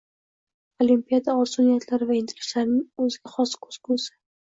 Olimpiada orzu-niyatlari va intilishlarining o‘ziga xos ko‘zgusi.